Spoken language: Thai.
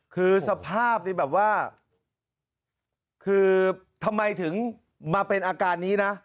คือสภาพนี่แบบว่าคือทำไมถึงมาเป็นอาการนี้นะ